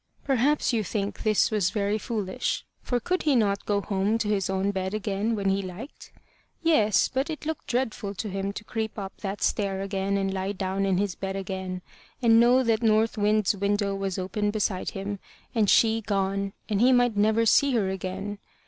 Perhaps you think this was very foolish; for could he not go home to his own bed again when he liked? Yes; but it looked dreadful to him to creep up that stair again and lie down in his bed again, and know that North Wind's window was open beside him, and she gone, and he might never see her again.